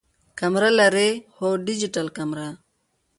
کمره لرئ؟ هو، ډیجیټل کمره